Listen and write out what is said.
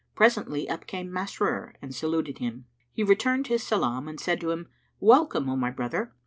Presently, up came Masrur and saluted him. He returned his salam and said to him, "Welcome, O my brother!"